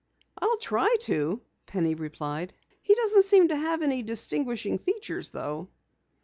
"I'll try to," Penny replied. "He doesn't seem to have any distinguishing features though."